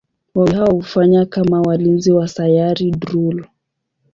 Wawili hao hufanya kama walinzi wa Sayari Drool.